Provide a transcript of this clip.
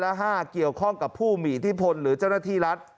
และ๕เกี่ยวข้องกับผู้มีอิทธิพลหรือเจ้าหน้าที่รัฐ